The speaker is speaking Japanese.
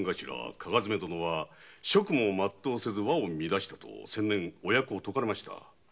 加賀爪殿は職務を全うせず和を乱したと先年お役を解かれました。